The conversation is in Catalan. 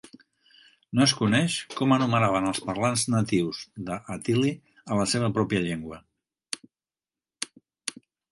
No es coneix com anomenaven els parlants natius de "hattili" a la seva pròpia llengua.